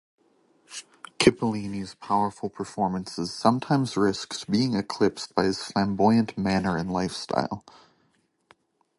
Cipollini's powerful performances sometimes risked being eclipsed by his flamboyant manner and lifestyle.